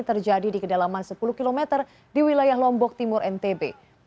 terjadi di kedalaman sepuluh km di wilayah lombok timur ntb